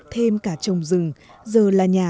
thêm cả trồng rừng giờ là nhà